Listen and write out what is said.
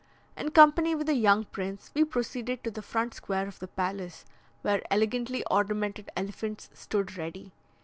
In company with the young prince we proceeded to the front square of the palace, where elegantly ornamented elephants stood ready.